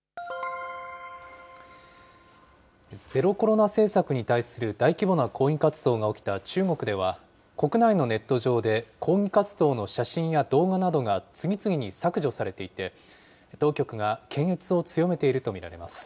ゼロコロナ政策に対する大規模な抗議活動が起きた中国では、国内のネット上で抗議活動の写真や動画などが次々に削除されていて、当局が検閲を強めていると見られます。